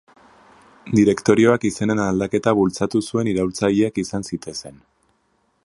Direktorioak izenen aldaketa bultzatu zuen iraultzaileak izan zitezen.